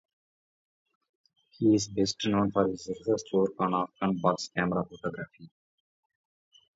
He is best known for his research work on Afghan Box Camera photography.